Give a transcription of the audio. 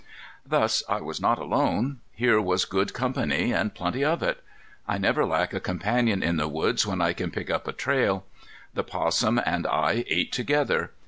Thus I was not alone; here was good company and plenty of it. I never lack a companion in the woods when I can pick up a trail. The 'possum and I ate together.